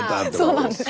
そうなんです。